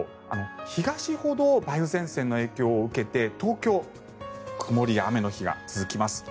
東ほど梅雨前線の影響を受けて東京、曇りや雨の日が続きます。